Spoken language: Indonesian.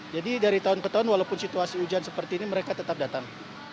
jadi dari tahun ke tahun walaupun situasi hujan seperti ini mereka tetap datang